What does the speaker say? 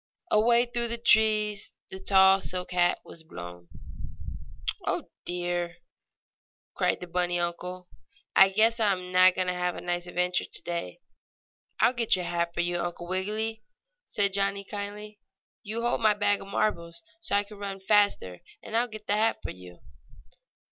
Away through the trees the tall silk hat was blown. "Oh, dear!" cried the bunny uncle. "I guess I am not going to have a nice adventure today." "I'll get your hat for you, Uncle Wiggily!" said Johnnie kindly. "You hold my bag of marbles so I can run faster, and I'll get the hat for you."